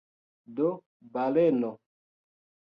Do – baleno!